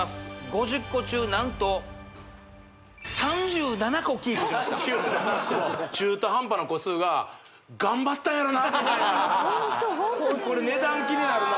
５０個中なんと３７個キープしました中途半端な個数が頑張ったやろなみたいなこれ値段気になるな